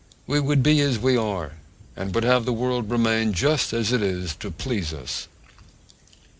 We would be as we are, and would have the world remain just as it is, to please us.